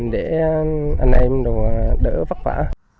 để anh em đỡ vất vả